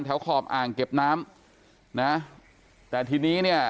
ขอขอบอ่างเก็บน้ำนะแต่ทีนี้เนี่ย